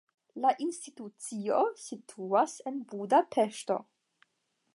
La institucio situas en Budapeŝto.